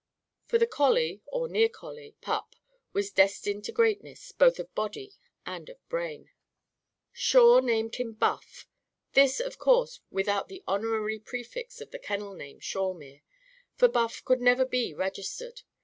For the collie or near collie pup was destined to greatness, both of body and of brain. Shawe named him "Buff." This, of course, without the honorary prefix of the kennel name, "Shawemere." For Buff could never be registered.